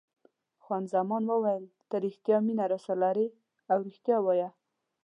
خان زمان وویل: ته رښتیا مینه راسره لرې او رښتیا وایه.